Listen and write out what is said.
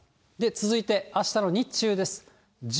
続いて、あしたの日中です。